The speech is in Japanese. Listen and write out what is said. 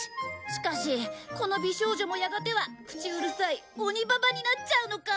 しかしこの美少女もやがては口うるさい鬼ババになっちゃうのか。